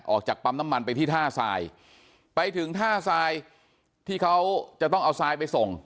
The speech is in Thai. ออกจากปั๊มน้ำมันไปที่ท่าทรายไปถึงท่าทรายที่เขาจะต้องเอาทรายไปส่ง